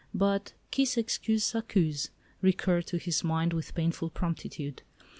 But qui s'excuse s'accuse recurred to his mind with painful promptitude.